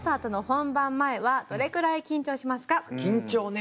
緊張ね。